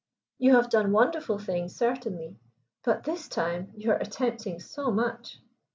"You have done wonderful things, certainly. But this time you are attempting so much."